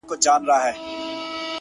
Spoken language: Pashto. زما گلاب زما سپرليه! ستا خبر نه راځي!